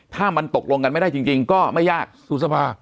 ถ้ามันตกลงกันไม่ได้จริงก็ไม่ยากสู่สภาพ